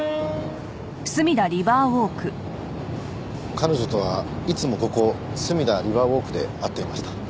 彼女とはいつもここすみだリバーウォークで会っていました。